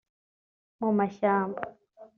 mu mashyamba